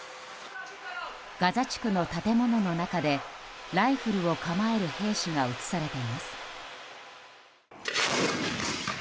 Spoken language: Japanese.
ガザ地区の建物の中でライフルを構える兵士が映されています。